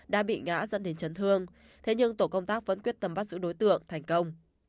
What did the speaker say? đã bị ngã dẫn đến chấn thương thế nhưng tổ công tác vẫn quyết tâm bắt giữ đối tượng thành công